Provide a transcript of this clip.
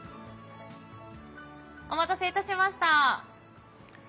お待たせいたしました。